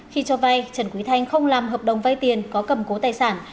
khi cho vai trần quý thanh không làm hợp đồng vai tiền có cầm cố tài sản